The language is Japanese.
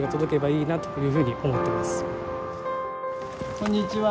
こんにちは。